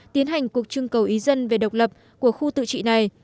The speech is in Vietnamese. tiến hành cuộc trưng cầu ý dân về độc lập của khu tự trị này